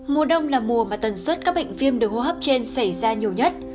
mùa đông là mùa mà tần suất các bệnh viêm đường hô hấp trên xảy ra nhiều nhất